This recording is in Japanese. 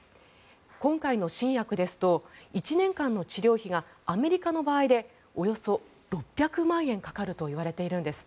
今回の新薬ですと１年間の治療費がアメリカの場合でおよそ６００万円かかるといわれているんです。